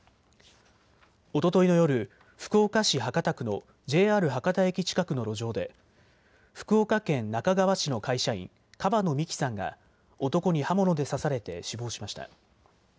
おとといの夜、福岡市博多区のＪＲ博多駅近くの路上で福岡県那珂川市の会社員、川野美樹さんが男に刃物で刺されて死亡しました。